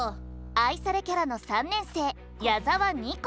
愛されキャラの３年生矢澤にこ。